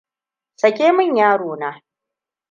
Sake mun yaro na.